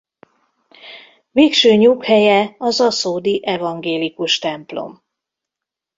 Végső nyughelye az aszódi evangélikus templom.